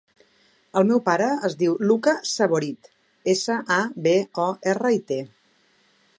El meu pare es diu Luka Saborit: essa, a, be, o, erra, i, te.